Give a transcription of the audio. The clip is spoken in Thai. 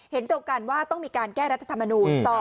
เห็นตรงกันว่าต้องมีการแก้รัฐธรรมนูญ